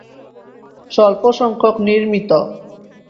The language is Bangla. স্বল্পসংখ্যক নির্মিত।